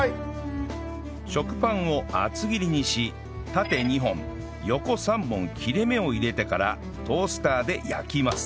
食パンを厚切りにし縦２本横３本切れ目を入れてからトースターで焼きます